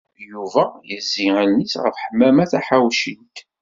Yuba yezzi allen-is ɣef Ḥemmama Taḥawcint.